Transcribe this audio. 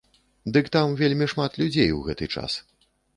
Дык там вельмі шмат людзей у гэты час.